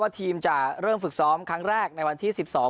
ทีมจะเริ่มฝึกซ้อมครั้งแรกในวันที่สิบสอง